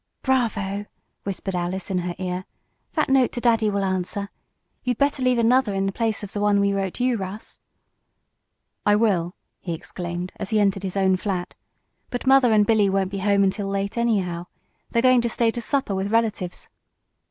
"Bravo!" whispered Alice in her ear. "That note to daddy will answer. You'd better leave another in place of the one we wrote to you, Russ." "I will," he exclaimed as he entered his own flat. "But mother and Billy won't be home until late, anyhow. They're going to stay to supper with relatives.